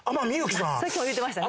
さっきも言うてましたね